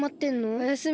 おやすみ。